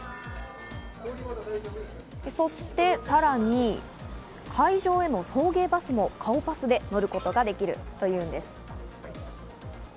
そしてさらに会場への送迎バスも顔パスで乗ることができるというんです。